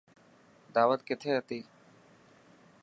داوت ڪٿي هتي.